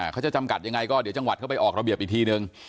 เขาจะจำกัดยังไงก็เดี๋ยวจังหวัดเข้าไปออกระเบียบอีกทีนึง